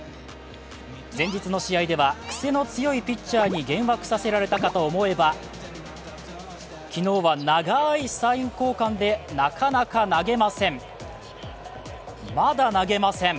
前日の試合ではくせの強いピッチャーに幻惑させられたかと思えば昨日は長いサイン交換でなかなか投げません。